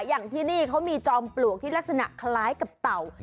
อย่างที่นี่เขามีจอมปลวกที่ลักษณะคล้ายกับเต่า